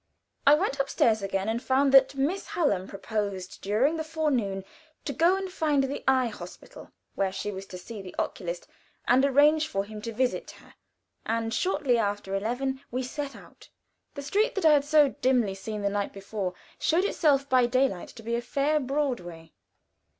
I went upstairs again, and found that Miss Hallam proposed, during the forenoon, to go and find the Eye Hospital, where she was to see the oculist, and arrange for him to visit her, and shortly after eleven we set out. The street that I had so dimly seen the night before, showed itself by daylight to be a fair, broad way.